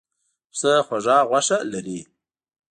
پسه خوږه غوښه لري.